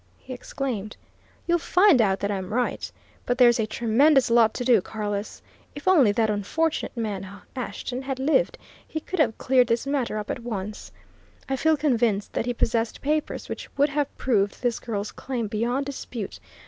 he exclaimed. "You'll find out that I'm right! But there's a tremendous lot to do, Carless. If only that unfortunate man, Ashton, had lived, he could have cleared this matter up at once. I feel convinced that he possessed papers which would have proved this girl's claim beyond dispute.